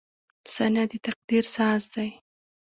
• ثانیه د تقدیر ساز دی.